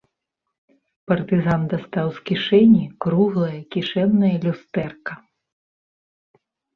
Партызан дастаў з кішэні круглае кішэннае люстэрка.